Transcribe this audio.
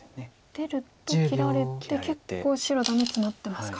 出ると切られて結構白ダメツマってますか。